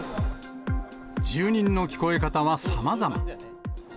住人の聞こえ方はさまざま。